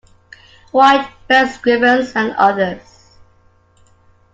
White, Ben Scrivens and others.